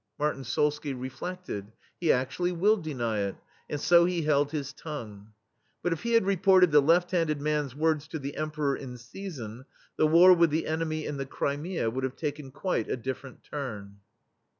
Martyn Solsky rcflefted: "He actu ally will deny it," and so he held his tongue. But if he had reported the left handed man's words to the Emperor in season, the war with the enemy in the Crimea would have taken quite a different turn.